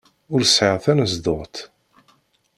Ur sɛiɣ tanezduɣt.